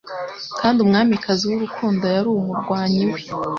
Kandi Umwamikazi w'urukundo yari umurwanyi we,